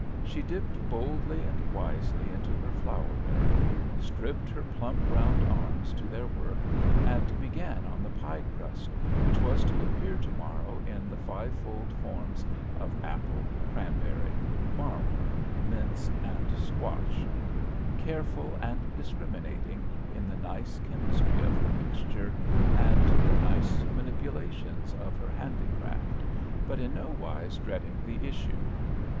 she dipped boldly and wisely into her flour barrel, stripped her plump round arms to their work, and began on the pie crust which was to appear to morrow in the fivefold forms of apple, cranberry, Marlboro', mince, and squash, careful and discriminating in the nice chemistry of her mixtures and the nice manipulations of her handicraft, but in nowise dreading the issue.